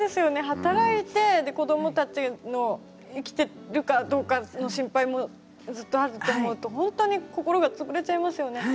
働いて子どもたちの生きてるかどうかの心配もずっとあると思うとほんとに心が潰れちゃいますよね。